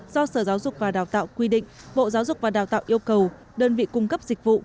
do sở giáo dục và đào tạo quy định bộ giáo dục và đào tạo yêu cầu đơn vị cung cấp dịch vụ